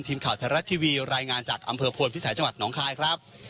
ทีมข่าวไทยรัฐทีวีรายงานจากอำเภอโพนพิสัยจังหวัดหนองคายครับ